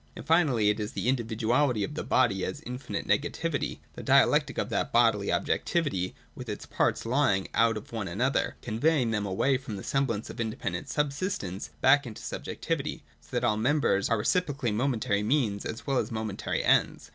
And finally it is the Individuality of the body as infinite negativity, — the dialectic of that bodily objectivity, with its parts lying out of one another, con veying them away from the semblance of independent subsistence back into subjectivity, so that all the mem bers are reciprocally momentary means as well as momentary ends.